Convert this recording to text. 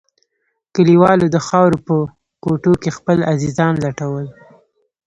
کليوالو د خاورو په کوټو کښې خپل عزيزان لټول.